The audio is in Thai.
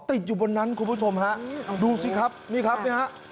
ติดอยู่บนนั้นคุณผู้ชมฮะดูสิครับนี่ครับเนี่ยฮะ